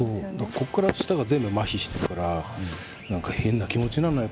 こっから下が全部麻痺してるからなんか変な気持ちなのよ